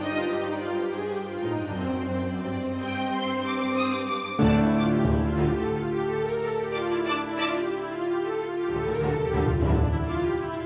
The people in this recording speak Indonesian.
mereka keracunan pak